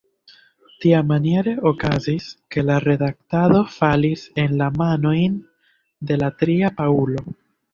Tiamaniere okazis, ke la redaktado falis en la manojn de la tria Paŭlo!